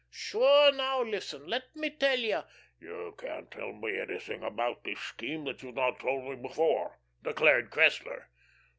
Sure, now, listen. Let me tell you " "You can't tell me anything about this scheme that you've not told me before," declared Cressler.